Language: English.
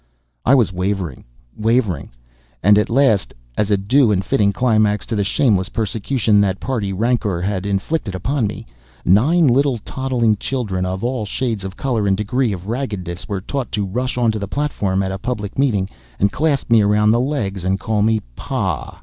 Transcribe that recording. I was wavering wavering. And at last, as a due and fitting climax to the shameless persecution that party rancor had inflicted upon me, nine little toddling children, of all shades of color and degrees of raggedness, were taught to rush onto the platform at a public meeting, and clasp me around the legs and call me PA!